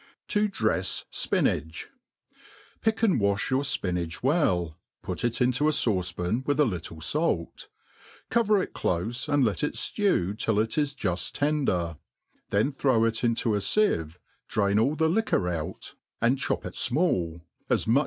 To drefs Spinach. PICK and wa(h your fpinach well, put it into a fauce»pan, with a little fait. Cover it clofe, and let it ftew till it is ju(l tender ; then throw it into a (ieve, drain all the liquor our, 0.4 and 20O THB ART OF COOKERY Mid chop it.finalU 4s much.